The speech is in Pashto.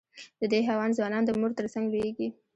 د دې حیوان ځوانان د مور تر څنګ لویېږي.